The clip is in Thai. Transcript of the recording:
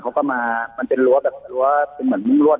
เพราะหมาเขาก็มามันเป็นรัวแบบว่าคุณลูบรวด